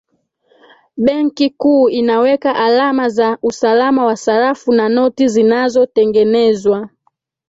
benki kuu inaweka alama za usalama wa sarafu na noti zinazotengenezwa